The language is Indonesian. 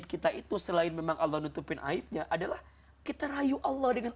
menutupin aib aib kita itu selain memang allah menutupin aibnya adalah kita rayu allah dengan